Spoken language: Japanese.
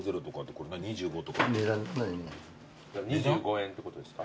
２５円ってことですか？